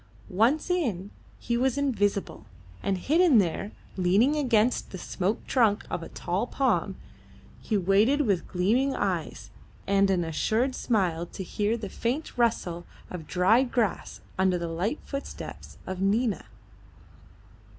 Once in, he was invisible; and hidden there, leaning against the smooth trunk of a tall palm, he waited with gleaming eyes and an assured smile to hear the faint rustle of dried grass under the light footsteps of Nina.